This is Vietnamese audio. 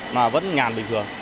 mà vẫn ngàn bình thường